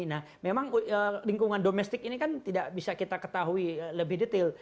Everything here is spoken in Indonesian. nah memang lingkungan domestik ini kan tidak bisa kita ketahui lebih detail